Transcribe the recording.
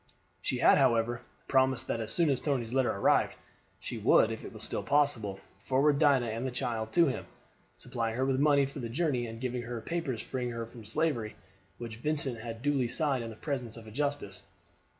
She had, however, promised that as soon as Tony's letter arrived she would, if it was still possible, forward Dinah and the child to him, supplying her with money for the journey, and giving her the papers freeing her from slavery which Vincent had duly signed in the presence of a justice.